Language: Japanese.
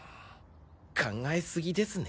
考えすぎですね。